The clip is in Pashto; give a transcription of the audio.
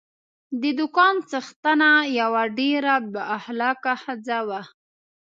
د دوکان څښتنه یوه ډېره با اخلاقه ښځه وه.